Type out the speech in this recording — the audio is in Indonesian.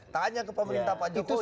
tanya ke pemerintah pak jokowi